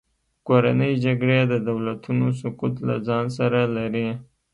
کورنۍ جګړې د دولتونو سقوط له ځان سره لري.